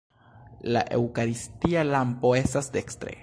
La eŭkaristia lampo estas dekstre.